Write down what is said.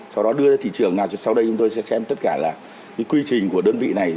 sau đó đưa thị trường nào sau đây chúng tôi sẽ xem tất cả là cái quy trình của đơn vị này